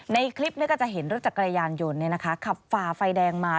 ในคลิปก็จะเห็นรถจักรยานยนต์ขับฝ่าไฟแดงมา